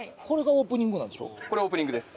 これオープニングです。